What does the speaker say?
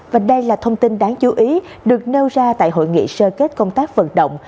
và đây là thông tin đáng chú ý được nêu ra tại hội nghị sơ kết công tác vận động